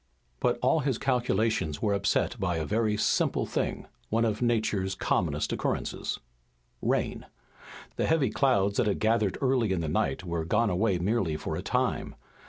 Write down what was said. But all his calculations were upset by a very simple thing, one of Nature's commonest occurrences rain. The heavy clouds that had gathered early in the night were gone away merely for a time.